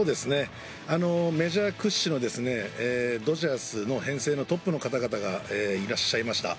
メジャー屈指のドジャースの編成のトップの方々がいらっしゃいました。